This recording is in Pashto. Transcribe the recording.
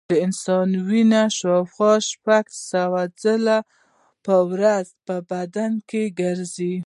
د انسان وینه شاوخوا شپږ سوه ځلې په ورځ بدن ګرځي.